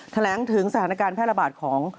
แถลงถึงสถานการณ์แพร่ระบาดของ